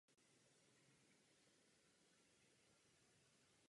Nabídku však členové odmítli.